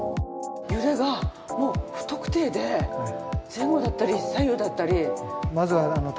揺れがもう不特定で前後だったり左右だったり。